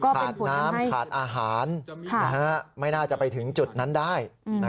ขาดน้ำขาดอาหารไม่น่าจะไปถึงจุดนั้นได้